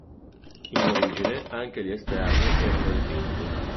In origine anche gli esterni erano dipinti.